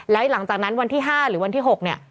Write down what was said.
แล้วหลังจากนั้นวันที่๕หรือวันที่๖เนี่ย